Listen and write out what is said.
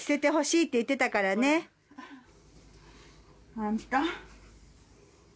あんた。